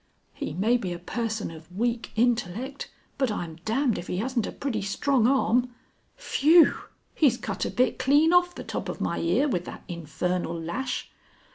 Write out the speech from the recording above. "He may be a person of weak intellect, but I'm damned if he hasn't a pretty strong arm. Phew! He's cut a bit clean off the top of my ear with that infernal lash."